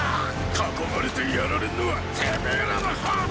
囲まれて殺られんのはてめェらの方だ！